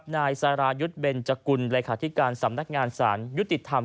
นายสารายุชเบญจกุลประธิกาศิลป์สำนากงานสารยุติธรรม